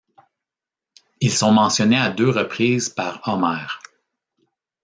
Ils sont mentionnés à deux reprises par Homère.